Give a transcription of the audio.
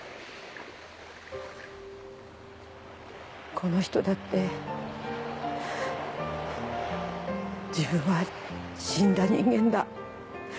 この人だって「自分は死んだ人間だ。